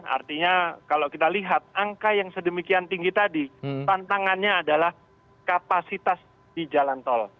artinya kalau kita lihat angka yang sedemikian tinggi tadi tantangannya adalah kapasitas di jalan tol